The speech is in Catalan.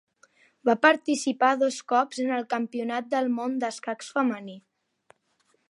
Va participar dos cops en el campionat del món d'escacs femení.